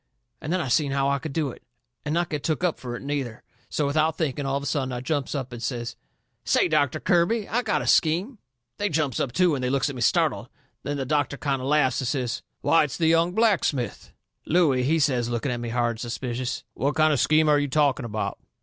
And then I seen how I could do it, and not get took up fur it, neither. So, without thinking, all of a sudden I jumps up and says: "Say, Doctor Kirby, I got a scheme!" They jumps up too, and they looks at me startled. Then the doctor kind o' laughs and says: "Why, it's the young blacksmith!" Looey, he says, looking at me hard and suspicious: "What kind of a scheme are you talking about?"